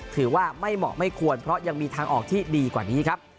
ถือว่าไม่เหมาะไม่ควรเพราะยังมีทางออกที่ดีกว่านี้ครับ